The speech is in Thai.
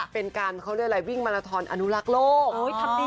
เป็นการเขาเรียกอะไรวิ่งมาราทอนอนุรักษ์โลก